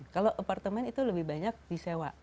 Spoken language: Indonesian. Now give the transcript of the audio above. kalau apartemen itu lebih banyak disewa